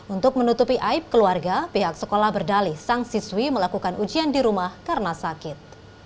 untuk menutupi aib keluarga pihak sekolah berdalih sang siswi melakukan ujian di rumah karena sakit